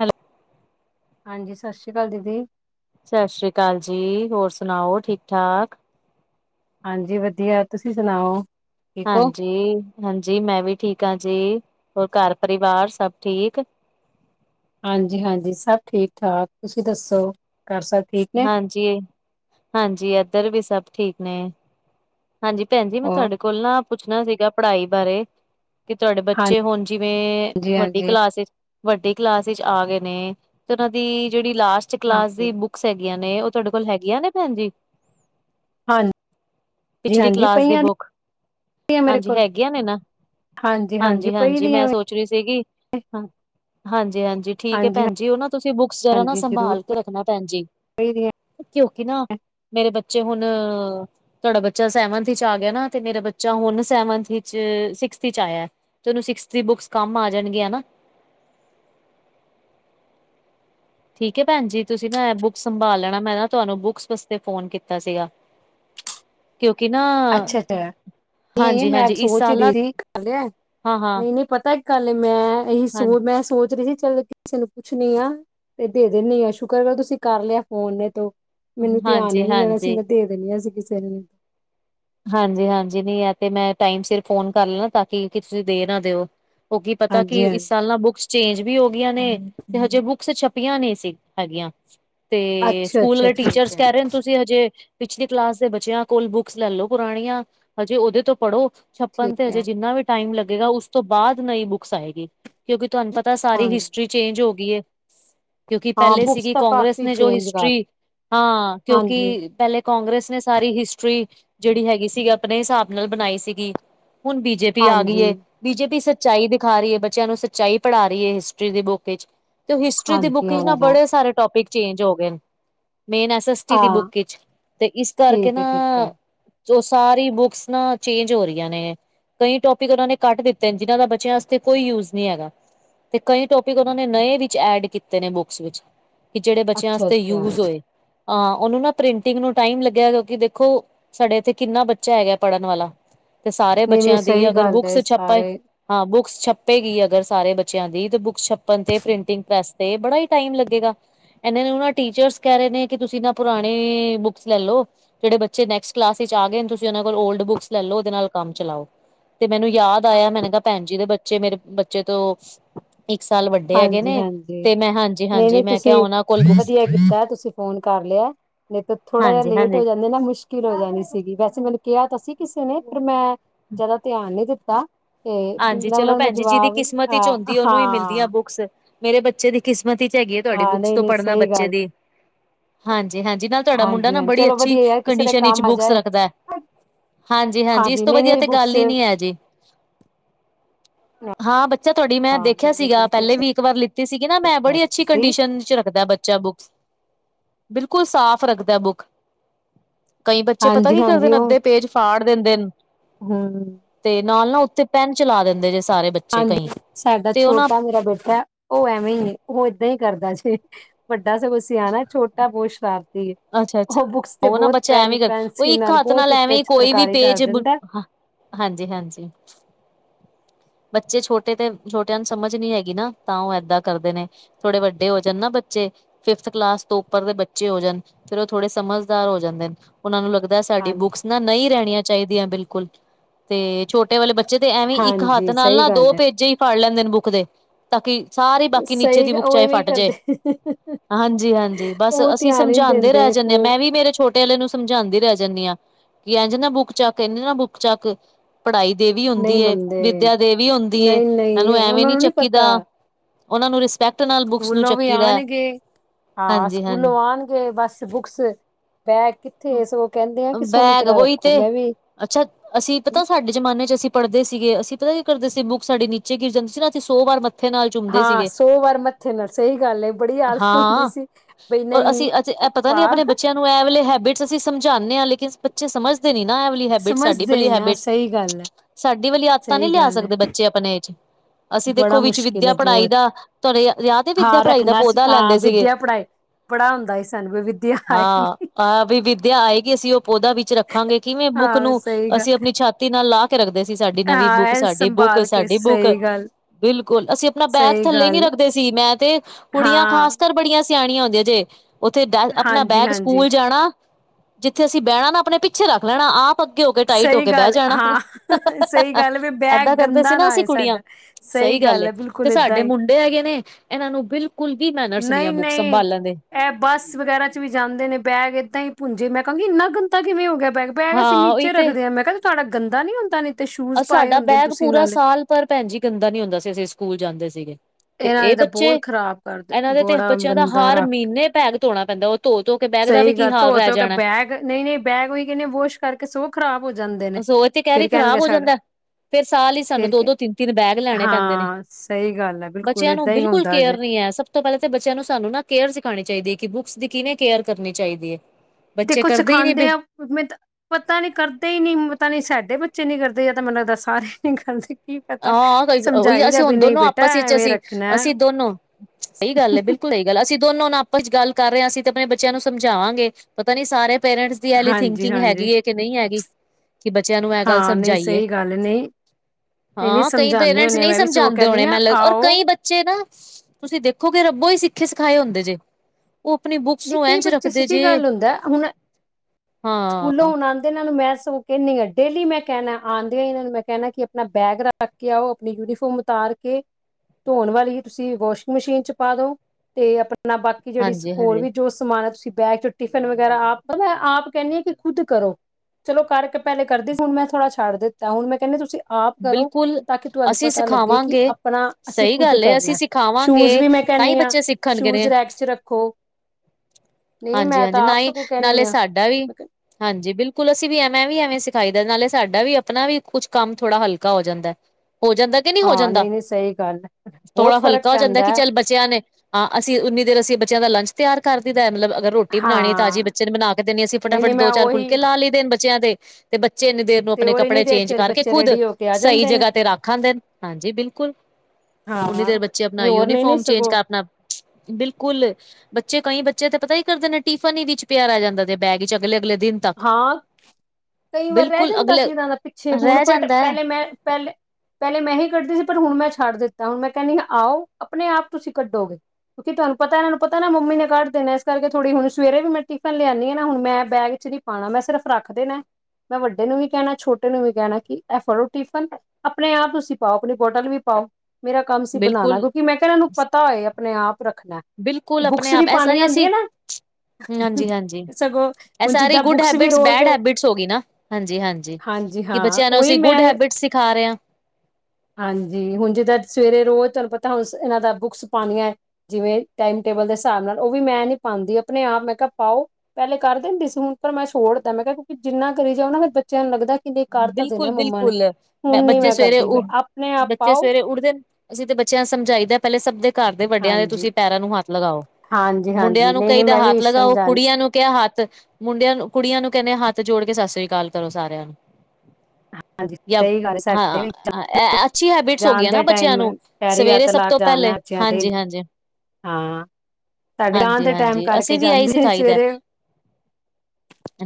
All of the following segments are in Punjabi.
ਹੈਲੋ। ਹਾਂਜੀ। ਸਤਿ ਸ਼੍ਰੀ ਅਕਾਲ ਦੀਦੀ। ਸਤਿ ਸ੍ਰੀ ਕਾਲ ਜੀ ਹੋਰ ਸੁਣਾਓ ਠੀਕ-ਠਾਕ? ਹਾਂਜੀ ਵਧੀਆ ਤੁਸੀਂ ਸੁਣਾਓ? ਠੀਕ ਹੋ ਹਾਂਜੀ-ਹਾਂਜੀ, ਮੈਂ ਵੀ ਠੀਕ ਆ ਜੀ ਹੋਰ ਘਰ ਪਰਿਵਾਰ ਸਭ ਠੀਕ? ਹਾਂਜੀ-ਹਾਂਜੀ, ਸਭ ਠੀਕ-ਠਾਕ ਤੁਸੀਂ ਦੱਸੋ ਘਰ ਸ ਹਾਂਜੀ-ਹਾਂਜੀ, ਇਧਰ ਵੀ ਸਭ ਠੀਕ ਨੇ। ਹਾਂਜੀ, ਭੈਣ ਜੀ ਮੈਂ ਹੋਰ ਤੁਹਾਡੇ ਕੋਲ ਨਾ ਪੁੱਛਣਾ ਸੀਗਾ ਪੜ੍ਹਾਈ ਬਾਰੇ। ਕਿ ਤੁਹਾਡੇ ਬੱਚੇ ਹੁਣ ਜਿਵੇਂ ਹਾਂਜੀ ਵੱਡੀ ਹਾਂਜੀ ਕਲਾਸ ਵਿੱਚ ਵੱਡੀ ਕਲਾਸ ਵਿਚ ਆਗੇ ਨੇ ਤੇ ਓਨਾਂ ਦੀ ਜਿਹੜੀ ਲਾਸਟ ਕਲਾਸ ਦੀ ਹਾਂਜੀ ਬੁੱ ਕਸ ਹੈਗੀਆਂ ਨੇ ਓ ਤੁਹਾਡੇ ਕੋਲ ਹੈਗੀਆਂ ਨੇ ਭੈਣ ਜੀ? ਹਾਂ ਪਿਛਲੀ ਕਲਾਸ ਦੇ ਬੁੱਕ ਦੀ ਮੇਰੇ ਹਾਂਜੀ ਕੋਲ ਹੈਗੀਆਂ ਨੇ, ਨਾ ਹਾਂਜੀ ਹਾਂਜੀ ਪਈ ਹਾਂਜੀ-ਹਾਂਜੀ ਮੈਂ ਦੀਆਂ ਸੋਚ ਚ ਰੀ ਸੀਗੀ, ਨੇ। ਹਾਂਜੀ-ਹਾਂਜੀ, ਠੀਕ ਐ ਹਾਂਜੀ ਭੈਣ ਜੀ, ਓ ਨਾ ਤੁਸੀਂ ਬੁੱਕਸ ਜਰਾ ਨਾ ਸੰਭਾਲ ਕੇ ਰੱਖਣਾ ਭੈਣ ਜੀ। ਚਾਹੀਦੀ ਈ ਐ। ਕਿਉਂਕਿ ਨਾ ਮੇਰੇ ਬੱਚੇ ਹੁਣ ਤੁਹਾਡਾ ਬੱਚਾ ਸੈਵਨਥ ਵਿਚ ਆ ਗਿਆ, ਨਾ ਤੇ ਮੇਰਾ ਬੱਚਾ ਹੁਣ ਸੈਵਨਥ ਵਿਚ ਸਿਕਸਸਥ ਵਿਚ ਆਇਐ। ਤੇ ਓਨੂੰ ਸਿਕਸ ਦੀ ਬੁੱਕਸ ਕੰਮ ਆ ਜਾਣਗੀਆ ਨਾ। ਠੀਕ ਐ ਭੈਣ ਜੀ ਤੁਸੀਂ ਨਾ ਬੁੱਕਸ ਸੰਭਾਲ ਲੈਣਾ, ਮੈਂ ਨਾ ਤੁਹਾਨੂੰ ਬੁੱਕ ਵਾਸਤੇ ਫੋਨ ਕੀਤਾ ਸੀਗਾ। ਕਿਉਂਕਿ ਨਾ ਅੱਛਾ-ਅੱਛਾ, ਨਈ ਮੈਂ ਹਾਂਜੀ-ਹਾਂਜੀ ਇਸ ਸੋਚ ਈ ਸਾਲ ਨਾ ਰੀ ਸੀ ਹਾਂ-ਹਾਂ ਨਈ-ਨਈ ਪਤਾ ਕਲ ਮੈਂ ਇਹੀ ਹਾਂ ਸੋ ਮੈਂ ਸੋਚ ਰੀ ਸੀ ਚੱਲ ਕਿਸੇ ਨੂੰ ਪੁੱਛਣੀ ਆ ਤੇ ਦੇ ਦੇਣੀ ਆ, ਸ਼ੁਕਰ ਕਰੋ ਤੁਸੀਂ ਕਰ ਲਿਆ ਫੋਨ [unintelligible] ਮੈਨੂੰ ਧਿਆਨ ਈ ਨੀ ਦੇਣਾ ਸੀ, ਹਾਂਜੀ-ਹਾਂਜੀ ਮੈਂ ਦੇ ਦੇਣੀਆਂ ਸੀ ਕਿਸੇ ਨੂੰ। ਹਾਂਜੀ-ਹਾਂਜੀ, ਨੀ ਐ ਤੇ ਮੈਂ ਟਾਈਮ ਸਿਰ ਫੋਨ ਕਰ [unintelligible] ਤਾਂ ਕੀ ਤੁਸੀਂ ਦੇ ਨਾ ਦਿਓ। ਓ ਕੀ ਪਤਾ ਕੀ ਹਾਂਜੀ ਹਾਂਜੀ ਇਸ ਸਾਲ ਨਾ ਬੁੱਕਸ ਚੇਂਜ ਵੀ ਹੋਗੀਆਂ ਨੇ ਤੇ, ਹਜੇ ਬੁੱਕਸ ਛਪੀਆਂ ਨੀ ਸੀ ਹੈਗੀਆਂ। ਤੇ ਅੱਛਾ ਅੱਛਾ ਸਕੂਲ ਠੀਕ ਟੀਚਰਸ ਹੈ ਕੈ ਰੇ ਨੇ, ਤੁਸੀਂ ਹਜੇ ਪਿਛਲੀ ਕਲਾਸ ਦੇ ਬੱਚਿਆਂ ਕੋਲ ਬੁੱਕਸ ਲੈ ਲੋ। ਪੁਰਾਣੀਆਂ ਹਜੇ ਓਦੇ ਤੋਂ ਪੜ੍ਹੋ ਛੱਪਨ ਠੀਕ ਤੇ ਹਜੇ ਹੈ ਜਿੰਨਾ ਵੀ ਟਾਈਮ ਲੱਗੇਗਾ, ਉਸ ਤੋਂ ਬਾਦ ਨਈ ਬੁੱਕਸ ਆਏਗੀ, ਕਿਉਂਕਿ ਤੁਹਾਨੂੰ ਪਤਾ ਸਾਰੀ ਹਾਂ ਹਿਸਟਰੀ ਚੇਂਜ ਹੋਗੀ ਏ। ਕਿਉਂਕਿ ਹਾਂ ਪਹਿਲੇ ਬੁੱਕਸ ਸੀਗੀ, ਤਾਂ ਕੋਂਗਰਸ ਕਾਫੀ ਨੇ ਜੋ ਚੇਂਜ ਕਰ ਹਿਸਟਰੀ ਹਾਂ ਹਾਂਜੀ ਕਿਉਂਕਿ ਪਹਿਲੇ ਕੋਂਗਰਸ ਨੇ ਸਾਰੀ ਹਿਸਟਰੀ ਜੇੜੀ ਹੈਗੀ, ਸੀਗੀ ਆਪਣੇ ਹਿਸਾਬ ਨਾਲ ਬਣਾਈ ਸੀਗੀ ਹੁਣ ਬੀ ਬੀਜੇਪੀ ਆ ਗਈ ਹਾਂਜੀ ਏ, ਬੀ ਜੇ ਪੀ ਸੱਚਾਈ ਦਿਖਾ ਰੀ ਐ ਬੱਚਿਆਂ ਨੂੰ ਸੱਚਾਈ ਪੜ੍ਹਾ ਰੀ ਏ ਹਿਸਟਰੀ ਦੇ ਬੁੱਕ ਵਿੱਚ। ਤੇ ਹਿਸਟਰੀ ਦੀ ਹਾਂਜੀ ਬੁੱਕ ਵਿਚ ਨਾ ਹਾਂਜੀ ਬੜੇ ਸਾਰੇ ਟੋਪਿਕ ਚੇਂਜ ਹੋਗੇ ਮੇਨ ਐਸ ਐਸਸਟੀ ਦੀ ਬੁੱਕ ਹਾਂ ਵਿੱਚ ਤੇ ਇਸ ਕਰਕੇ ਠੀਕ ਹੈ ਨਾ ਠੀਕ ਹੈ ਜੋ ਸਾਰੀ ਬੁੱਕਸ ਨਾ ਚੇਂਜ ਹੋ ਰੀਆ ਨੇ। ਕਈ ਟੋਪਿਕ ਓਨਾ ਨੇ ਕੱਟ ਦਿੱਤੇ ਨੇ, ਜਿਨ੍ਹਾਂ ਦਾ ਬੱਚਿਆਂ ਵਾਸਤੇ ਕੋਈ ਯੂਜ ਨੀ ਹੈਗਾ। ਤੇ ਕਈ ਟੋਪਿਕ ਓਨਾ ਨੇ ਨਏ ਵਿੱਚ ਐਡ ਕੀਤੇ ਨੇ ਬੁੱਕਸ ਵਿੱਚ। ਕੀ ਜੇੜੇ ਬੱਚਿਆਂ ਅੱਛਾ ਵਸਤੇ ਅੱਛਾ ਯੂਜ ਹੋਏ, ਆ ਓਨੂੰ ਨਾ ਪ੍ਰਿੰਟਿੰਗ ਨੂੰ ਟਾਈਮ ਲੱਗਿਆ ਕਿਉਂਕਿ ਦੇਖੋ ਸਾਡੇ ਇੱਥੇ ਕਿੰਨਾ ਬੱਚਾ ਹੈਗੈ, ਪੜ੍ਹਨ ਵਾਲਾ ਤੇ ਸਾਰੇ ਨਹੀਂ ਨਹੀਂ ਬੱਚਿਆਂ ਦੀ ਸਹੀ ਅਗਰ ਗੱਲ ਹੈ ਬੁੱਕਸ ਛਪ ਪਾਏ। ਸਾਰੇ ਹਾਂ ਬੁੱਕਸ ਛਪੇਗੀ ਅਗਰ, ਸਾਰੇ ਬੱਚਿਆਂ ਦੀ ਤੇ ਬੁਕਸ ਛਪਣ ਤੇ ਪ੍ਰਿੰਟਿੰਗ ਪ੍ਰੈਸ ਤੇ ਬੜਾ ਈ ਟਾਈਮ ਲੱਗੇਗਾ। ਐਨੇ ਨੂੰ ਨਾ ਟੀਚਰਸ ਕੈ ਰੇ ਨੇ ਕਿ, ਤੁਸੀਂ ਨਾ ਪੁਰਾਣੇ ਬੁੱਕਸ ਲੈਲੋ ਜੇੜੇ ਬੱਚੇ ਨੈਕਸ ਕਲਾਸ ਵਿੱਚ ਆਗੇ ਨੇ, ਤੁਸੀਂ ਓਨਾਂ ਕੋਲ ਓਲਡ ਬੁੱਕਸ ਲੈ ਲੋ ਓਦੇ ਨਾਲ ਕੰਮ ਚਲਾਓ। ਤੇ ਮੈਨੂੰ ਯਾਦ ਆਇਆ ਮੈਂਨੇ ਕਾ ਭੈਣ ਜੀ ਦੇ ਬੱਚੇ ਮੇਰੇ ਬੱਚੇ ਤੋਂ ਇੱਕ ਸਾਲ ਵੱਡੇ ਹੈਗੇ ਨੇ ਹਾਂਜੀ-ਹਾਂਜੀ ਤੇ ਮੈਂ ਹਾਂਜੀ ਹਾਂਜੀ ਨਈ-ਨਈ ਮੈਂ ਕਿਹਾ ਤੁਸੀਂ ਉਹਨਾਂ ਕੋਲ ਬੁੱਕਸ ਵਧੀਆ ਕੀਤਾ ਤੁਸੀਂ ਫੋਨ ਕਰ ਲਿਆ। ਨਈ ਤੇ ਥੋੜਾ ਜਾ ਹਾਂਜੀ ਲੇਟ ਹਾਂਜੀ ਹੋ ਜਾਂਦੇ ਨਾ ਮੁਸ਼ ਕਿਲ ਹੋ ਜਾਣੀ ਸੀਗੀ ਵੈਸੇ ਮੈਨੂੰ ਕਿਆ ਤਾਂ ਸੀ, ਕਿਸੇ ਨੇ ਪਰ ਮੈਂ ਜਾਦਾ ਧਿਆਨ ਨੀ ਦਿੱਤਾ। ਤੇ ਹਾਂਜੀ ਨਾ ਮੈਂ ਚਲੋ ਓਨਾ ਨੂੰ ਭੈਣ ਜੀ ਜਵਾਬ ਆ ਹਾਂ। ਬੁਕਸ ਮੇਰੇ ਬੱਚੇ ਦੀ ਕਿਸਮਤ ਵਿਚ ਹੈਗੀ ਐ ਤੁਹਾਡੀ ਹਾਂ ਬੁੱਕਸ ਨਹੀਂ ਤੋਂ ਨਹੀਂ ਪੜ੍ਹਨਾ ਸਹੀ ਬੱਚੇ ਗੱਲ ਦੀ। ਹਾਂਜੀ-ਹਾਂਜੀ, ਨਾਲ ਤੁਹਾਡਾ ਮੁੰਡਾ ਹਾਂਜੀ ਨਾ ਹਾਂਜੀ ਬੜੀ ਚਲੋ ਅੱਛੀ ਵਧੀਆ ਯਾਰ ਕਿਸੇ ਦੇ ਕੰਡੀਸ਼ਨ ਵਿਚ ਕੰਮ ਆ ਬੁੱਕਸ ਜਾਏ ਰੱਖਦਾ। ਹਾਂਜੀ-ਹਾਂਜੀ, ਇਸ ਹਾਂਜੀ ਤੋਂ ਨਹੀਂ ਵਧੀਆ ਨਹੀਂ ਤੇ ਗੱਲ ਬੁੱਕਸ ਹੀ ਨੀ ਹੈ ਜੀ ਹਾਂ, ਬੱਚਾ ਤੁਹਾਡੀ ਮੈਂ ਹਾਂ ਦੇਖਿਆ ਨਹੀਂ ਨਹੀਂ ਸੀਗਾ, ਬਿਲਕੁਲ ਪਹਿਲੇ ਵੀ ਸਹੀ ਇੱਕ ਵਾਰ ਲਿੱਤੀ ਸੀਗੀ ਨਾ, ਮੈਂ ਕਹਿ ਬੜੀ ਰਹੇ ਅੱਛੀ ਤੁਸੀਂ ਕੰਡੀਸ਼ਨ ਚ ਰੱਖਦਾ ਬੱਚਾ ਬੁੱਕ ਬਿਲਕੁਲ ਸਾਫ਼ ਰੱਖਦਾ ਬੁੱਕ ਕਈ ਬੱਚੇ ਪਤਾ ਹਾਂਜੀ ਕੀ ਕਰਦੇ ਨੇ, ਅੱਧੇ ਪੇਜ ਫਾੜ ਦਿੰਦੇ ਨੇ ਹੂੰ ਤੇ ਨਾਲ ਨਾ, ਉੱਥੇ ਪੈਨ ਚਲਾ ਦਿੰਦੇ ਜੇ ਸਾਰੇ ਬੱਚੇ ਕਈ ਹਾਂਜੀ, ਸਾਡਾ ਤੇ ਉਹ ਨਾ ਛੋਟਾ ਮੇਰਾ ਬੇਟਾ ਉਹ ਐਵੇਂ ਹੀ, ਉਹ ਏਦਾਂ ਹੀ ਕਰਦਾ ਸੀੇ, ਵੱਡਾ ਸ ਕੁਸੀਿਆ ਨਾ, ਛੋਟਾ ਬਹੁ ਸ਼ਰਾਰਤੀ ਅੱਛਾ- ਅੱਛਾ ਬੁੱਕਸ ਤੇ ਉਹ ਨਾ ਬਹੁਤ ਬੱਚਾ ਪੈਨ ਐਵੇ ਕਰਈ, ਪੈਨਸਿਲ ਇੱਕ ਹੱਥ ਨਾਲ ਬਹੁਤ ਉੱਤੇ ਐਵੇਂ ਕੋਈ ਵੀ ਚਿੱਤਰਕਾਰੀ ਕਰ ਪੇਜ ਦਿੰਦਾ ਹਾਂਜੀ -ਹਾਂਜੀ ਬੱਚੇ ਛੋਟੇ, ਤੇ ਛੋਟਿਆਂ ਨੂੰ ਸਮਝ ਨੀ ਹੈਗੀ ਨਾ, ਤਾਂ ਉਹ ਏਦਾਂ ਕਰਦੇ ਨੇ ਥੋੜੇ ਵੱਡੇ ਹੋ ਜਾਣ ਨਾ ਬੱਚੇ ਫਿਫਥ ਕਲਾਸ, ਤੋਂ ਉੱਪਰ ਦੇ ਬੱਚੇ ਹੋ ਜਾਣ, ਫਿਰ ਉਹ ਥੋੜੇ ਸਮਝਦਾਰ ਹੋ ਜਾਂਦੇ ਨੇ ਉਹਨਾਂ ਨੂੰ ਲੱਗਦਾ, ਸਾਡੀ ਹਾਂਜੀ ਬੁੱਕਸ ਨਾ ਨਈ ਰਹਿਣੀਆਂ ਚਾਹੀਦੀਆਂ, ਬਿਲਕੁਲ ਤੇ ਛੋਟੇ ਵਾਲੇ ਬੱਚੇ ਤੇ, ਐਵੇਂ ਇੱਕ ਹੱਥ ਹਾਂਜੀ ਨਾਲ ਸਹੀ ਨਾ ਗੱਲ ਦੋ ਹੈ ਪੇਜੇ, ਹੀ ਫੜ ਲੈਂਦੇ ਨੇ ਬੁੱਕ ਦੇ ਤਾਂ, ਕਿ ਸਾਰੇ ਬਾਕੀ ਨੀਚੇ ਸਹੀ ਦੀ ਗ ਬੁੱਕ ਉਹ ਚਾਹੇ, ਇਵੇਂ ਹੀ ਫਟ ਜਏ ਕਰਦੇ ਹਾਂਜੀ- ਹਾਂਜੀ ਬਸ, ਉਹ ਅਸੀਂ ਧਿਆਨ ਨਹੀਂ ਸਮਝਾਉਂਦੇ ਰਹਿ ਦਿੰਦੇ ਜਾਂਦੇ ਹਾਂ, ਉਹ ਮੈਂ ਵੀ ਮੇਰੇ ਛੋਟੇ ਪਹਿਲੇ ਨੂੰ ਸਮਝਾਉਂਦੀ ਰਹਿ ਜਾਂਦੀ ਆਾਂ ਕਿ, ਇੰਝ ਨਾਲ ਬੁੱਕ ਚੱਕ, ਇੰਝ ਨਾਲ ਬੁੱਕ ਚੱਕ ਪੜ੍ਹਾਈ ਦੇ ਵੀ ਹੁੰਦੀ ਨਹੀਂ ਏ, ਮੰਨਦੇ ਵਿਦਿਆ ਦੇਵੀ ਹੁੰਦੀ, ਨਹੀਂ ਨਹੀਂ ਇਹਨੂੰ ਐਵੇਂ ਉਹਨਾਂ ਨੀ ਨੂੰ ਚੱਕੀਦਾ ਪਤਾ ਉਹ ਨੂੰ ਰ ਸਕੂਲੋਂ ਵੀ ਆਉਣਗੇ, ਹਾਂ ਸਕੂਲੋਂ ਹਾਂਜੀ-ਹਾਂਜੀ। ਆਉਣਗੇ ਬਸ ਬੁੱਕਸ ਬੈਗ ਕਿੱਥੇ, ਸਗੋਂ ਕਹਿੰਦੇ ਆ ਕਿ, ਸੋਹਣੀ ਬੈਗ ਤਰ੍ਹਾਂ ਉਹੀ ਰੱਖੋ ਤੇ ਮੈਂ ਵੀ ਅੱਛਾ। ਅਸੀਂ ਪਤਾ, ਸਾਡੇ ਜ਼ਮਾਨੇ ਚ ਅਸੀਂ ਪੜ੍ਹਦੇ ਸੀਗੇ, ਅਸੀਂ ਪਤਾ ਕੀ ਕਰਦੇ ਸੀ, ਬੁੱਕ ਸਾਡੇ ਨੀਚੇ ਗਿਰ ਜਾਂਦੀ ਸੀ ਨਾ, ਅਸੀਂ ਸੌ ਵਾਰ ਨਾਲ ਚੁੰਮਦੇ ਹਾਂ, ਸੀਗੇ ਸੋ ਵਾਰ ਮੱਥੇ ਨਾਲ, ਸਹੀ ਗੱਲ ਬੜੀ ਆਦਤ ਹਾਂ ਹੁੰਦੀ ਸੀ ਬਈ ਔਰ ਨਹੀਂ ਅਸੀਂ ਅਜ ਇਹ ਪਤਾ ਨੀ ਪਾ ਆਪਣੇ ਬੱਚਿਆਂ ਨੂੰ, ਇਹ ਵੇਲੇ ਹੈਬਿਟਸ ਅਸੀਂ ਸਮਝਾਉਂਦੇ ਹਾਂ, ਲੇਕਿਨ ਬੱਚੇ ਸਮਝ ਐ ਵਾਲੀ ਹੈਬਿਟ ਸਾਡੀ ਸਮਝਦੇ ਵਾਲੀ ਨੀ ਨਾ ਹੈਬਿਟ ਸਹੀ ਗੱਲ ਹੈ ਸਾਡੀ ਵਾਲੀ, ਆਦਤਾਂ ਸਹੀ ਨਹੀਂੀ ਲਿਆ ਗੱਲ ਹੈ ਸਕਦੇ ਬੱਚੇ, ਆਪਣੇ ਚ ਅਸੀਂ ਦੇਖੋ, ਬੜਾ ਵਿੱਚ ਮੁਸ਼ਕਿਲ ਵਿੱਦਿਆ, ਹੈ ਪੜ੍ਹਾਈ ਬਹੁਤ ਦਾ ਤੁਹਾਨੂੰ ਯਾਦ ਹ ਵਿੱਦਿਆ ਪੜ੍ਹਾਈ ਦਾ ਪੌਦਾ, ਲੈਂਦੇ ਸੀਗੇ ਬੜ੍ਹਾ ਹੁੰਦਾ ਸੀ, ਸਾਨੂੰ ਵੀ, ਵਿਦਿਆ ਹਾਂ ਆਹ ਵੀ ਵਿਦਿਆ ਆਏਗੀ, ਅਸੀਂ ਉਹ ਪੌਦਾ ਵਿੱਚ ਰੱਖਾਂਗੇ, ਕਿਵੇਂ, ਬੁੱਕ ਹਾਂ ਨੂੰ ਸਹੀ ਗੱਲ ਅਸੀਂ ਆਪਣੀ ਛਾਤੀ ਛਾਂਤੀ ਨਾਲ ਲਾ ਕੇ ਰੱਖਦੇ ਸੀ, ਸਾਡੀ ਨਵੀਂ ਹਾਂ ਬੁੱਕ, ਐ ਸਾਡੀ ਬੁੱਕ, ਸੰਭਾਲ ਕੇ ਸਾਡੀ ਬੁੱਕ ਸਹੀ ਗੱਲ ਬਿਲਕੁਲ, ਅਸੀਂ ਆਪਣਾ ਬੈਗ ਸਹੀ ਥੱਲੇ ਨਹੀਂੀ ਗੱਲ ਰੱਖਦੇ ਸੀ, ਮੈਂ ਤੇ ਕੁੜੀਆਂ ਹਾਂ ਖਾਸ ਕਰ ਬੜੀਆਂ ਸਿਆਣੀਆਂ ਹੁੰਦੀਆਂ ਜੇ, ਉੱਥੇ ਆਪਣਾ ਹਾਂਜੀ ਬੈਗ ਹਾਂਜੀ ਸਕੂਲ ਜਾਣਾ ਜਿੱਥੇ ਅਸੀਂ ਬਹਿਣਾ ਨਾ, ਆਪਣੇ ਪਿੱਛੇ ਰੱਖ ਲੈਣਾ ਆਪ ਅੱਗੇ ਹੋ ਕੇ, ਟਾਈਟ ਹੋ ਸਹੀ ਕੇ ਬਹਿ ਗੱਲ ਜਾਣਾ, ਹਾਂ ਸਹੀ ਗੱਲ ਵੀ ਏਦਾਂ ਬੈਗ ਕਰਦੇ ਸੀ ਗੰਦਾ ਨਾ ਅਸੀਂ ਹੋਏ ਕੁੜੀਆਂ ਸਾਡਾ ਸਹੀ ਗੱਲ, ਹੈ ਤੇ ਬਿਲਕੁਲ ਏਦਾਂ ਸਾਡੇ ਹੀ ਮੁੰਡੇ ਹੈਗੇ ਨੇ ਇਹਨਾਂ ਨੂੰ ਬਿਲਕੁਲ ਵੀ ਮੈਂ ਨਹੀਂ-ਨਹੀਂ ਇਹ ਬੱਸ ਵਗੈਰਾ ਚ ਵੀ ਜਾਂਦੇ ਨੇ, ਬੈਗ ਏਦਾਂ ਹੀ ਭੁੰਜੇ ਮੈਂ ਕਹਾਂਗੀ, ਇੰਨਾ ਗੰਦਾ ਕਿਵੇਂ ਹੋ ਗਿਆ ਬੈਗ ਬੈਗ ਅਸੀਂ ਹਾਂ ਉਹੀ ਨੀਚੇ ਤੇ ਰੱਖਦੇ ਹਾਂ, ਮੈਂ ਕਿਹਾ ਤੁਹਾਡਾ ਗੰਦਾ ਨਹੀਂ ਹੁੰਦਾ, ਨਹੀਂ ਤੇ ਸ਼ੂਜ ਪਾਏ ਹੁੰਦੇ ਨੇ ਤੁਸੀਂ ਨਾਲ ਪਰ ਭੈਣ ਜੀ, ਗੰਦਾ ਨੀ ਹੁੰਦਾ ਸੀ, ਅਸੀਂ ਸਕੂਲ ਜਾਂਦੇ ਸੀਗੇ ਤੇ ਇਹਨਾਂ ਨੇ ਇਹ ਤਾਂ ਬੱਚੇ, ਬਹੁਤ ਖ਼ਰਾਬ ਕਰਦੇ ਇਹਨਾਂ ਦੇ ਤੇ, ਬੜਾ ਬੱਚਿਆਂ ਦਾ ਗੰਦਾ ਹਰ ਰੱਖ ਮਹੀਨੇ ਪੈਗ ਧੋਣਾ ਪੈਂਦਾ ਉਹ ਧੋ ਧੋ ਕੇ ਬੈਗ ਦਾ ਸਹੀ ਵੀ ਗੱਲ, ਕੀ ਹਾਲ ਧੋ- ਰਹਿ ਧੋ ਕੇ ਜਾਣਾ। ਬੈਗ ਨਹੀਂ -ਨਹੀਂ ਬੈਗ ਉਹੀ ਕਹਿੰਦੇ, ਵੋਸ਼ ਕਰਕੇ ਸੋਹ ਖ਼ਰਾਬ ਹੋ ਜਾਂਦੇ ਨੇ ਸੋ ਇਹ ਤੇ ਕਹਿ ਰਹੇ ਫਿਰ ਖਰਾਬ ਕਹਿਣਗੇ ਹੋ ਸਾਡਾ ਜਾਂਦਾ,। ਫੇਿਰ ਸਾਲ ਹੀ ਸਾਨੂੰ ਫਿਰ ਦ ਕੇ ਦੋ ਤਿੰਨ ਤਿੰਨ ਬੈਗ ਲੈਣੇ ਪੈਂਦੇ ਨੇ ਹਾਂ ਸਹੀ ਗੱਲ ਹੈ ਬਿਲਕੁਲ ਬੱਚਿਆਂ ਨੂੰ ਏਦਾਂ ਹੀ ਬਿਲਕੁਲ ਹੁੰਦਾ ਜੇ ਕੇਅਰ ਨਹੀਂ ਸਭ ਤੋਂ ਪਹਿਲਾਂ, ਤਾਂ ਬੱਚਿਆਂ ਨੂੰ ਸਾਨੂੰ ਨਾ ਕੇਅਰ ਸਿਖਾਣੀ ਚਾਹੀਦੀ ਹੈ, ਕਿ ਬੁੱਕਸ ਦੀ ਕਿਵੇਂ ਕੇਅਰ ਕਰਨੀ, ਚਾਹੀਦੀ ਹੈ। ਬੱਚੇ ਦੇਖੋ ਕਰਦੇ ਹੀ ਸਿਖਾਉਂਦੇ ਨਹੀਂ ਆ ਮ ਤਾਂ ਪਤਾ ਨੀ, ਕਰਦੇ ਹੀ ਨੀ, ਪਤਾ ਨੀ ਸਾਡੇ ਬੱਚੇ ਨੀ ਕਰਦੇ, ਯ ਤਾਂ ਮੈਨੂੰ ਲੱਗਦਾ ਸਾਰੇ ਨੀ ਕਰਦੇ ਕੀ ਪਤਾ ਹਾਂ ਉਹੀ ਸਮਝਾਈ ਦਾ ਅਸੀਂ ਵੀ ਹੁਣ ਨਹੀਂ ਦੋਨੋ ਬੇਟਾ ਆਪਸ ਵਿੱਚ ਐਵੇਂ ਅਸੀਂ, ਰੱਖਣਾ ਅਸੀਂ ਦੋਨੋ ਸਹੀ ਗੱਲ ਹੈ ਬਿਲਕੁਲ ਗੱਲ ਅਸੀਂ ਦੋਨੋ ਨਾਲ ਆਪਾਂ ਚ ਗੱਲ ਕਰ ਰਹੇ ਹਾਂ। ਅਸੀਂ ਤੇ ਆਪਣੇ ਬੱਚਿਆਂ ਨੂੰ ਸਮਝਾਵਾਂਗੇ, ਪਤਾ ਨੀ ਸਾਰੇ ਪੇਰੈਂਟਸ ਦੀ ਐ ਵਾਲੀ ਹਾਂਜੀ ਥਿੰਕਿੰਗ, ਹਾਂਜੀ ਹੈਗੀ ਹੈ ਕਿ ਨਹੀਂ ਹੈਗੀ, ਕਿ ਬੱਚਿਆਂ ਨੂੰ ਇਹ ਗੱਲ, ਸਮਝਾਈਏ। ਅਰੇ ਨਹੀਂ ਨਹੀਂ ਨਹੀਂ ਹਾਂ ਕਈ ਸਮਝਾਉਂਦੇ ਪੇਰੈਂਟਸ ਹੁੰਦੇ ਆ, ਨਹੀਂ ਮੈਂ ਵੀ ਸਗੋਂ ਸਮਝਾਉਦੇ ਹੋਣੇ, ਕਹਿੰਦੀ ਮ ਹਾਂ ਲੱਗ ਕਈ ਆਓ ਬੱਚੇ ਬੱਚੇ ਨਾ ਤੁਸੀਂ ਦੇਖੋਗੇ, ਰੱਬੋ ਹੀ ਸਿੱਖੇ ਸਿਖਾਏ ਹੁੰਦੇ ਜੇ ਉਹ ਆਪਣੀ ਬੁੱਕਸ ਨਹੀਂ ਨੂੰ, ਕਈ ਇਂਝ ਬੱਚੇ ਰੱਖਦੇ ਸੱਚੀ ਜੇ ਗੱਲ ਹੁੰਦਾ ਹੁਣ ਸਕੂਲੋਂ ਹਾਂ ਹੁਣ, ਆਦੇ ਏਨਾ ਨੂੰ ਮੈਂ ਕਿੰਨੀ ਆ ਡੇਲੀ ਮੈਂ ਕਹਿਣਾ, ਆਉਂਦਿਆਂ ਇਹਨਾਂ ਨੂੰ ਮੈਂ ਕਹਿਣਾ ਕਿ ਆਪਣਾ ਬੈਗ ਰੱਖ ਕੇ ਆਓ, ਆਪਣੀ ਯੂਨੀਫਾਰਮ ਉਤਾਰ, ਕੇ ਧੋਣ ਵਾਲੀ ਤੁਸੀਂ ਵਾਸ਼ਿੰਗ ਮਸ਼ੀਨ ਚ ਪਾ ਦੋ ਤੇ ਆਪਣਾ ਬਾਕੀ ਜਿਹੜੀ ਹਾਂਜੀ ਹਾਂਜੀ ਹੋਰ ਵੀ ਜੋ ਸਮਾਨ ਐ ਤੁਸੀਂ ਬੈਗ ਚ ਟਿਫਿਨ ਵਗੈਰਾ ਆਪ ਮੈਂ ਆਪ ਕਹਿੰਦੀ ਕਿ ਖੁਦ ਕਰੋ। ਚਲੋ ਕਰਕੇ ਪਹਿਲੇ ਕਰਦੀ ਸੀ ਹੁਣ ਮੈਂ ਥੋੜ੍ਹਾ ਛੱਡ ਦਿੱਤਾ ਮੈਂ ਕਹਿੰਦੀ ਤੁਸੀਂ ਆਪ ਕਰੋ ਬਿਲਕੁਲ ਤਾਂ ਕਿ ਤੁਹਾਨੂੰ ਅਸੀਂ ਪਤਾ ਲੱਗੇ ਕਿ ਸਿਖਾਵਾਂਗੇ ਆਪਣਾ ਅਸੀਂ ਸਹੀ ਖੁਦ ਗੱਲ ਏ ਅਸੀਂ ਕਰਨਾ। ਸ਼ੂਜ਼ ਸਿਖਾਵਾਂਗੇ ਵੀ ਮੈਂ ਤਾਂ ਹੀ ਕਹਿੰਦੀ ਹਾਂ ਬੱਚੇ ਸਿੱਖਣਗੇ ਸ਼ੂਜ਼ ਨੇ ਰੈਕ ਚ ਰੱਖੋ। ਨਹੀਂ, ਨਹੀਂ ਹਾਂਜੀ ਮੈਂ ਹਾਂਜੀ ਤਾਂ ਨਾ ਆਪ ਹੀ ਸਗੋਂ ਕਹਿੰਦੀ ਨਾਲੇ ਆ ਸਾਡਾ ਵੀ ਮੈਂ ਹਾਂਜੀ, ਬਿਲਕੁਲ ਅਸੀਂ ਵੀ ਐਵੇਂ ਵੀ ਐਵੇਂ ਸਿਖਾਈ ਦਾ ਨਾਲੇ ਸਾਡਾ ਵੀ ਆਪਣਾ ਵੀ ਕੁਛ ਕੰਮ ਥੋੜਾ ਹਲਕਾ ਹੋ ਜਾਂਦਾ ਹੋ ਜਾਂਦਾ। ਨਹੀ ਹੋ ਹਾਂ ਜਾਂਦਾ ਨਹੀਂ ਨਹੀਂ ਸਹੀ ਗੱਲ ਬਹੁਤ ਥੋੜਾ ਫ਼ਰਕ ਹਲਕਾ ਹੋ ਜਾਂਦਾ ਪੈਂਦਾ ਕਿ ਹੈ ਚੱਲ ਬਚਿਆ ਨੇ ਹਾਂ, ਅਸੀਂ ਉਨੀ ਦੇਰ ਅਸੀਂ ਬੱਚਿਆਂ ਦਾ ਲੰਚ ਤਿਆਰ ਕਰ ਦਈ ਦਾ ਮਤਲਬ ਅਗਰ ਰੋਟੀ ਬਣਾਣੀ ਤਾਜ਼ੀ ਹਾਂ ਬੱਚੇ ਨੇ ਬਣਾ ਕੇ ਦੇਣੀ ਅਸੀਂ ਨਹੀਂ ਨਹੀਂ ਫਟਾਫਟ ਮੈਂ ਦੋ ਚਾਰ ਫੁਲਕੇ ਉਹੀ ਲਾ ਲਈ ਦੇਣ ਬੱਚਿਆਂ ਦੇ ਤੇ ਬੱਚੇ ਇੰਨੀ ਦੇਰ ਨੂੰ ਤੇ ਆਪਣੇ ਉਹ ਇੰਨੀ ਕੱਪੜੇ ਦੇਰ ਚੇਂਜ ਚ ਕਰਕੇ ਬੱਚੇ ਖੁਦ ਰੈਡੀ ਹੋ ਕੇ ਆ ਸਹੀ ਜਾਂਦੇ ਨੇ ਜਗ੍ਹਾ ਤੇ ਰੱਖ ਆਂਦੇ ਨੇ ਹਾਂਜੀ ਬਿਲਕੁਲ ਉਨੀ ਹਾਂ ਦੇਰ ਬੱਚੇ ਆਪਣਾ ਤੇ ਹੋਰ ਨਹੀਂ ਨਹੀਂ ਯੂਨੀਫਾਰਮ ਚੇਂਜ ਸਗੋਂ ਕਰਨਾ ਆਪਣਾ ਬਿਲਕੁਲ ਬੱਚੇ ਕਈ ਬੱਚੇ ਤੇ ਪਤਾ ਹੀ ਕਰਦੇ ਨੇ ਟਿਫਨ ਹੀ ਵਿੱਚ ਪਿਆ ਰਹਿ ਜਾਂਦਾ ਤੇ ਬੈਗ ਚ ਅਗਲੇ, ਅਗਲੇ ਦਿਨ ਤੱਕ। ਹਾਂ, ਕਈ ਵਾਰ ਰਹਿ ਬਿਲਕੁਲ ਜਾਂਦਾ ਅਗਲੇ ਸੀ ਇਦਾਂ ਦਾ ਪਿੱਛੇ ਹੁਣ ਰਹਿ ਬਟ ਜਾਂਦਾ ਹੈ ਪਹਿਲੇ ਮੈਂ ਪਹਿਲੇ ਪਹਿਲੇ ਮੈਂ ਹੀ ਕੱਢਦੀ ਸੀ ਪਰ ਹੁਣ ਮੈਂ ਛੱਡ ਦਿੱਤਾ ਹੁਣ ਮੈਂ ਕਹਿੰਦੀ ਆਓ ਆਪਣੇ ਆਪ ਤੁਸੀਂ ਕੱਢੋਗੇ। ਕਿਉਂਕਿ ਤੁਹਾਨੂੰ ਪਤਾ ਇਹ ਨੂੰ ਪਤਾ ਮ ਮੰਮੀ ਨੇ ਕੱਢ ਦੇਣਾ ਇਸ ਕਰਕੇ ਥੋੜ੍ਹੀ ਹੁਣ ਸਵੇਰੇ ਵੀ ਮੈਂ ਟਿਫਨ ਲਿਆਂਦੀ ਆ ਨਾ ਹੁਣ ਮੈਂ ਬੈਗ ਚ ਪਾਣਾ ਮੈਂ ਸਿਰਫ਼ ਰੱਖ ਦੇਣਾ ਮੈਂ ਵੱਡੇ ਨੂੰ ਵੀ ਕਹਿਣਾ ਛੋਟੇ ਨੂੰ ਵੀ ਕਹਿਣਾ ਕਿ ਇਹ ਫੜੋ ਟਿਫਨ ਆਪਣੇ ਆਪ ਤੁਸੀਂ ਪਾਓ ਆਪਣੀ ਬੋਟਲ ਵੀ ਪਾਓ ਮੇਰਾ ਕੰਮ ਸੀ ਬਣਾਣਾ ਕਿਉਂਕਿ ਮੈਂ ਕਿਹਾ ਇਹਨਾਂ ਨੂੰ ਪਤਾ ਹੋਏ ਆਪਣੇ ਆਪ ਰੱਖਣਾ। ਬਿਲਕੁਲ ਆਪਣੇ ਬੁੱਕਸ ਵੀ ਆਪ ਇਹ ਪਾਉਣੀਆਂ ਸਾਰੀ ਅਸੀਂ ਆਉਂਦੀਆਂ ਨਾ ਹਾਂਜੀ, ਹਾਂਜੀ ਸਗੋਂ ਇਹ ਹੁਣ ਸਾਰੀ ਜਿੱਦਾਂ ਗੁੱਡ ਬੁੱਕਸ ਵੀ ਹੈਬਿਟ ਰੋਜ਼ ਬੈਡ ਹੈਬਿਟਸ ਹੋ ਗਈ ਨਾ ਹਾਂਜੀ, ਹਾਂਜੀ ਕਿ ਹਾਂ ਬੱਚਿਆਂ ਨੂੰ ਉਹੀ ਅਸੀਂ ਗੁੱਡ ਮੈਂ ਹੈਬਿਟ ਸਿਖਾ ਰਹੇ ਆ। ਹਾਂਜੀ, ਹੁਣ ਜਿੱਦਾਂ ਸਵੇਰੇ ਰੋਜ਼ ਤੁਹਾਨੂੰ ਪਤਾ ਹੁਣ ਇਹਨਾਂ ਦਾ ਬੁੱਕਸ ਪਾਣੀਆਂ ਜਿਵੇਂ ਟਾਈਮ ਟੇਬਲ ਦੇ ਹਿਸਾਬ ਨਾਲ ਉਹ ਵੀ ਮੈਂ ਨਹੀਂ ਪਾਂਦੀ ਆਪਣੇ ਆਪ ਮੈਂ ਕਿਹਾ ਪਾਓ ਪਹਿਲੇ ਕਰ ਦਿੰਦੀ ਸੀ ਹੁਣ ਪਰ ਮੈਂ ਛੋੜਦਾ ਮੈਂ ਕਿਹਾ ਕਿਉਂਕਿ ਜਿੰਨਾ ਕਰੀ ਜਾ ਉਹਨਾਂ ਬੱਚਿਆਂ ਨੂੰ ਲੱਗਦਾ ਕਿ ਨਹੀਂ ਕਰ ਤਾਂ ਬਿਲਕੁਲ, ਦੇਣਾ ਮੰਮਾ ਨੇ ਬਿਲਕੁਲ ਮ ਹੁਣ ਨੀ ਬੱਚੇ ਮੈਂ ਸਵੇਰੇ ਕਰਦੀ ਪਈ ਉਠ ਆਪਣੇ ਆਪ ਬੱਚੇ ਪਾਓ ਸਵੇਰੇ ਉੱਠਦੇ ਨੇ ਅਸੀਂ ਤੇ ਬੱਚਿਆਂ ਨੂੰ ਸਮਝਾਈਦਾ ਪਹਿਲੇ ਸਭ ਘਰ ਦੇ ਵੱਡਿਆਂ ਦੇ ਹਾਂਜੀ ਤੁਸੀਂ ਪੈਰਾਂ ਨੂੰ ਹੱਥ ਲਗਾਓ ਹਾਂਜੀ ਮੁੰਡਿਆਂ ਹਾਂਜੀ ਨੂੰ ਨਹੀਂ ਕਈ ਨਹੀਂ ਦਾ ਮੈਂ ਵੀ ਹੱਥ ਇਸ ਲਗਾਓ ਸਮਝਾ ਕੁੜੀਆਂ ਨੂੰ ਕਿਹਾ ਹੱਥ ਮੁੰਡਿਆਂ ਨੂੰ ਕੁੜੀਆਂ ਨੂੰ ਕਹਿੰਦੇ ਹੱਥ ਜੋੜ ਕੇ ਸਤਿ ਸ੍ਰੀ ਅਕਾਲ ਕਰੋ ਸਾਰਿਆਂ ਨੂੰ। ਹ ਹਾਂਜੀ [unintelligible] ਜਾਂ ਸਹੀ ਗੱਲ ਸਾਡੇ ਹਾਂ, ਵੀ ਅੱਛੀ ਹੈਬਿਟਸ ਹੋ ਜਾਣ ਗਈਆਂ ਨਾ ਦੇ ਬੱਚਿਆਂ ਟਾਈਮ ਨੂੰ ਪੈਰੀ ਸਵੇਰੇ ਹੱਥ ਸਭ ਲਾ ਤੋਂ ਕੇ ਪਹਿਲੇ ਆਣਾ ਬੱਚਿਆਂ ਦੇ ਹਾਂਜੀ, ਹਾਂਜੀ। ਹਾਂ, ਸਾਡੇ ਜਾਣ ਹਾਂਜੀ ਦੇ ਟੈਮ ਹਾਂਜੀ ਕਰਕੇ ਅਸੀਂ ਵੀ ਇਹੀ ਜਾਂਦੇ ਆ ਸਿਖਾਈ ਦਾ ਸਵੇਰੇ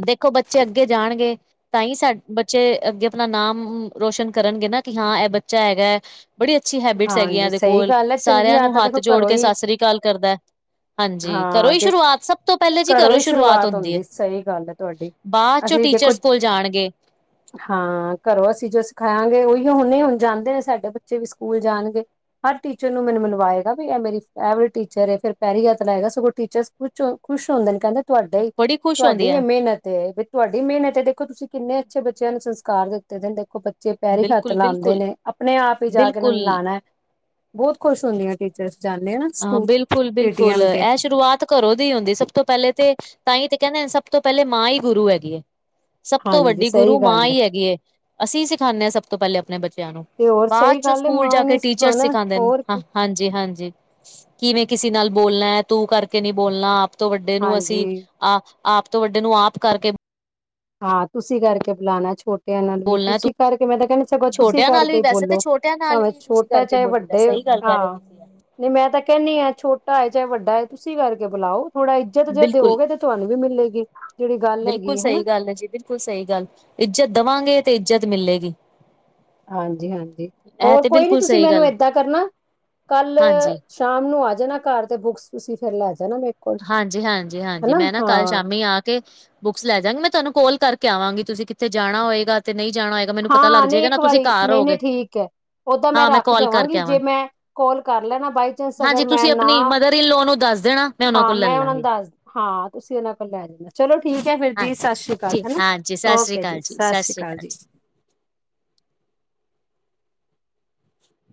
ਦੇਖੋ ਬੱਚੇ ਅੱਗੇ ਜਾਣਗੇ ਤਾਂ ਹੀ ਸਾਡੇ ਬੱਚੇ ਅੱਗੇ ਆਪਣਾ ਨਾਮ ਰੋਸ਼ਨ ਕਰਨਗੇ ਨਾ ਕਿ ਹਾਂ ਇਹ ਬੱਚਾ ਹੈਗਾ। ਬੜੀ ਅੱਛੀ ਹੈਬਿਟਸ ਹੈਗੀਆਂ ਹਾਂਜੀ ਇਹਦੇ ਸਹੀ ਕੋਲ ਗੱਲ ਹੈ ਚੰਗੀ ਸਾਰਿਆਂ ਨੂੰ ਆਦਤ ਹੱਥ ਦੇਖੋ ਜੋੜ ਘਰੋਂ ਕੇ ਹੀ ਸਤਿ ਸ੍ਰੀ ਅਕਾਲ ਕਰਦਾ। ਹਾਂਜੀ, ਘਰੋ ਹਾਂ ਹੀ ਦੇ ਸ਼ੁਰੂਆਤ ਸਭ ਤੋਂ ਪਹਿਲੇ ਜੀ ਘਰੋਂ ਘਰੋ ਹੀ ਸ਼ੁਰੂਆਤ ਹੁੰਦੀ ਹੈ। ਸਹੀ ਗੱਲ ਹੈ ਤੁਹਾਡੀ ਬਾਅਦ ਚੋਂ ਅਸੀਂ ਦੇਖੋ ਟੀਚਰਸ ਕੋਲ ਜਾਣਗੇ। ਹਾਂ, ਘਰੋਂ ਅਸੀਂ ਜੋ ਸਿਖਾਆਗੇ ਉਹੀ ਹੁਣੇ ਹੁਣ ਜਾਂਦੇ ਨੇ ਸਾਡੇ ਬੱਚੇ ਵੀ ਸਕੂਲ ਜਾਣਗੇ। ਹਰ ਟੀਚਰ ਨੂੰ ਮੈਨੂੰ ਮਨਵਾਏਗਾ, ਵੀ ਇਹ ਮੇਰੀ ਫੈਵਰੇਟ ਟੀਚਰ ਫਿਰ ਪੈਰੀ ਹੱਥ ਲਏਗਾ ਸਗੋਂ ਟੀਚਰ ਕੁਛ ਖੁਸ਼ ਹੁੰਦੇ ਕਹਿੰਦੇ, ਤੁਹਾਡਾ ਹੀ ਬੜੀ ਖੁਸ਼ ਹੁੰਦੀ ਤੁਹਾਡੀ ਐ, ਮਿਹਨਤ ਤੁਹਾਡੀ ਮਿਹਨਤ ਐ, ਦੇਖੋ ਤੁਸੀਂ ਕਿੰਨੇ ਅੱਛੇ ਬੱਚਿਆਂ ਨੂੰ ਸੰਸਕਾਰ ਦਿੱਤੇ ਦੇ ਨੇ ਦੇਖੋ। ਜੇ ਪੈਰੀ ਹੱਥ ਲਾਂਦੇ ਬਿਲਕੁਲ-ਬਿਲਕੁਲ, ਨੇ ਆਪਣੇ ਆਪ ਹੀ ਜਾ ਕੇ ਇਹਨਾਂ ਬਿਲਕੁਲ। ਨੂੰ ਬਿਲਕੁਲ ਲਾਣਾ ਬਹੁਤ ਖੁਸ਼ ਹੁੰਦੀਆਂ। ਟੀਚਰਸ ਜਾਂਦੇ ਆ ਨਾ, ਹਾਂ ਸਕੂਲ ਬਿਲਕੁਲ-ਬਿਲਕੁਲ ਪੇਟੀਐਮ ਤੇ। ਇਹ ਸ਼ੁਰੂਆਤ ਘਰੋਂ ਦੀ ਹੁੰਦੀ ਸਭ ਤੋਂ ਪਹਿਲੇ ਤੇ ਤਾਂ ਹੀ ਤੇ ਕਹਿੰਦੇ ਨੇ ਸਭ ਤੋਂ ਪਹਿਲੇ ਮਾਂ ਹੀ ਗੁਰੂ ਹੈਗੀ, ਏ ਸਭ ਤੋਂ ਹਾਂਜੀ ਵੱਡੀ ਸਹੀ ਗੁਰੂ ਮਾਂ ਗੱਲ ਹੈ ਹੀ ਹੈਗੀ। ਅਸੀਂ ਸਿਖਾਦੇ ਹਾਂ ਸਭ ਤੋਂ ਪਹਿਲੇ ਆਪਣੇ ਬੱਚਿਆਂ ਨੂੰ ਤੇ ਹੋਰ ਬਾਅਦ ਸਹੀ ਚੋਂ ਗੱਲ ਹੈ ਸਕੂਲ ਜਾ ਮਾਂ ਕੇ ਨੇ ਟੀਚਰ ਸਿਖਾਣਾ ਸਿਖਾਦੇ ਨੇ ਹੋਰ ਕੀ। ਹਾਂ। ਹਾਂਜੀ, ਹਾਂਜੀ ਕਿਵੇਂ ਕਿਸੇ ਨਾਲ ਬੋਲਣਾ ਹੈ ਤੂੰ ਕਰਕੇ ਨਹੀ ਬੋਲਣਾ ਆਪ ਤੋਂ ਵੱਡੇ ਨੂੰ ਅਸੀਂ ਹਾਂਜੀ। ਅਹ ਆਪ ਤੋਂ ਵੱਡੇ ਨੂੰ ਆਪ ਕਰਕੇ, ਹਾਂ ਤੁਸੀਂ ਕਰਕੇ ਬੁਲਾਣਾ ਛੋਟਾ, ਟਿਆਂ ਨਾਲ ਵੀ ਬੋਲਣਾ, ਤੁਸੀਂ ਕਰਕੇ ਮੈਂ ਤਾਂ ਕਹਿੰਦਾ ਚ ਤੁਸੀਂ ਛੋਟਿਆਂ ਨਾਲ ਵੀ ਕਰਕੇ ਵੈਸੇ ਤਾਂ ਬੋਲੋ ਛੋਟਿਆਂ ਨਾਲ ਭਾਵੇਂ ਵੀ ਛੋਟ ਤੁਸੀਂ ਤਾ ਕਰਕੇ ਚਾਹੇ ਬੋਲੀ ਦਾ, ਵੱਡੇ ਸਹੀ ਗੱਲ ਕਹਿ ਰਹੇ ਹਾਂ। ਹੋ ਤੁਸੀਂ। ਨਹੀਂ ਮੈਂ ਤਾਂ ਕਹਿੰਦੀ ਹਾਂ ਛੋਟਾ ਹੈ, ਚਾਹੇ ਵੱਡਾ ਹੈਏ ਤੁਸੀਂ ਕਰਕੇ ਬੁਲਾਓ ਥੋੜਾ ਇੱਜਤ ਜੇ ਬਿਲਕੁਲ ਦਿਓਗੇ। ਤੁਹਾਨੂੰ ਵੀ ਮਿਲੇਗੀ, ਜਿਹੜੀ ਗੱਲ ਬਿਲਕੁਲ ਹੈਗੀ ਸਹੀ ਹਨਾ। ਗੱਲ ਹੈ ਜੀ ਬਿਲਕੁਲ ਸਹੀ ਗੱਲ ਇੱਜਤ ਦੇਵਾਂਗੇ ਤੇ ਇੱਜ਼ਤ ਮਿਲੇਗੀ। ਹਾਂਜੀ-ਹਾਂਜੀ ਇਹ ਹੋਰ ਤੇ ਕੋਈ ਨੀ, ਬਿਲਕੁਲ ਤੁਸੀਂ ਸਹੀ ਮੈਨੂੰ ਗੱਲ ਏਦਾਂ ਕਰਨਾ ਕੱਲ ਹਾਂਜੀ ਸ਼ਾਮ ਨੂੰ ਆ ਜਾਣਾ ਘਰ ਤੇ ਬੁੱਕਸ ਤੁਸੀਂ ਫੇਰ ਲੈ ਜਾਣਾ ਮੇ, ਹਾਂਜੀ, ਹਾਂਜੀ, ਹਾਂਜੀ ਮੈਂ ਨਾ ਕੱਲ ਸ਼ਾਮੀ ਆ। ਬੁੱਕਸ ਲੈ ਜਾਗੇ, ਮੈਂ ਤੁਹਾਨੂੰ ਕਾਲ ਕਰਕੇ ਆਵਾਂਗੀ, ਤੁਸੀਂ ਕਿੱਥੇ ਜਾਣਾ ਹੋਏਗਾ ਤੇ ਨਹੀਂ ਜਾਣਾ ਹੋਏ। ਮੈਨੂੰ ਪਤਾ ਲੱਗ ਹਾਂ ਨਹੀਂ ਜਾਏਗਾ, ਨਾ ਇੱਕ ਤੁਸੀਂ ਵਾਰੀ ਘਰ ਨਹੀਂ ਨਹੀਂ ਹੋਗੇ। ਠੀਕ ਹੈ ਓਦਾਂ ਹਾਂ ਮੈਂ ਰੱਖ ਕਾਲ ਕਰਕੇ ਜਾਵਾਂਗੀ ਆਵਾਂ ਜੇ ਮੈਂ ਕੋਲ ਕਰ ਲੈਣਾ ਬਾਈ ਚਾਂਸ ਹਾਂਜੀ, ਅਗਰ ਮੈਂ ਤੁਸੀਂ ਨਾ ਆਪਣੀ ਮਦਰ ਇਨ ਲੋਨ ਨੂੰ ਦੱਸ ਦੇਣਾ। ਉਹਨਾਂ ਹਾਂ ਕੋਲ ਲੈ ਮੈਂ ਉਹਨਾਂ ਨੂੰ ਲਾਂਗੀ ਦੱਸ, ਹਾਂ ਤੁਸੀਂ ਉਹਨਾਂ ਕੋਲ ਲੈ ਜਾਂਦਾ ਚਲੋ, ਠੀਕ ਹੈ ਫਿਰ ਜੀ ਸਤਿ ਹਾਂਜੀ ਸ੍ਰੀ ਅਕਾਲ ਠੀਕ ਹਨਾ। ਹਾਂਜੀ ਸਤਿ ਸ੍ਰੀ ਓਕੇ ਅਕਾਲ ਜੀ ਸਤਿ ਸ੍ਰੀ ਅਕਾਲ ਜੀ,